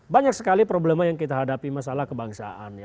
banyak sekali problema yang kita hadapi masalah kebangsaan